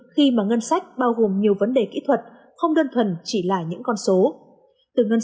khi mà ngân sách bao gồm nhiều vấn đề kỹ thuật không đơn thuần chỉ là những con số từ ngân